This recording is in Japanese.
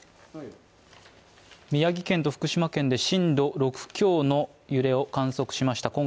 宮城県と福島県で震度６強の揺れを観測しました